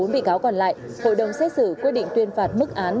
một mươi bốn bị cáo còn lại hội đồng xét xử quyết định tuyên phạt mức án